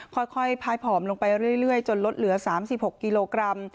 ค่อยพายผอมลงไปเรื่อยจนลดเหลือ๓๖กิโลกรัม